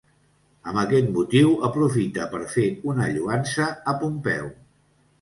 Amb aquest motiu, aprofita per fer una lloança a Pompeu.